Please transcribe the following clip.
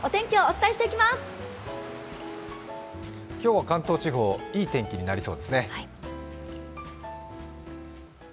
今日は関東地方、いい天気になりそうですね。